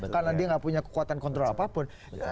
karena dia nggak punya kekuatan kontrol apapun